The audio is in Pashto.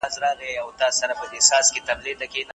تاسي باید له هر چا سره د مننې رڼا شریکه کړئ.